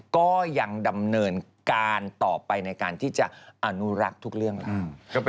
ก็ยังดำเนินการต่อไปในการที่จะอนุรักษ์ทุกเรื่องแล้ว